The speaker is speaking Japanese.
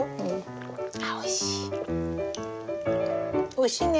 おいしいね。